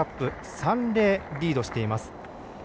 ３−０でリードしています。